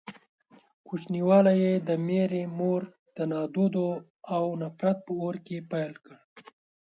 کوچنيوالی يې د ميرې مور د نادودو او نفرت په اور کې پيل کړ.